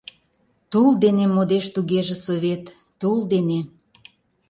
Тул дене модеш тугеже Совет, тул дене...